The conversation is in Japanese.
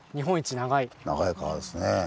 長い川ですね。